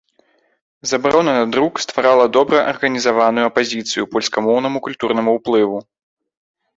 Забарона на друк стварыла добра арганізаваную апазіцыю польскамоўнаму культурнаму ўплыву.